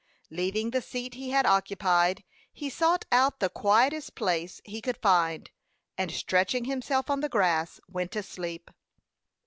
Leaving the seat he had occupied, he sought out the quietest place he could find, and stretching himself on the grass, went to sleep.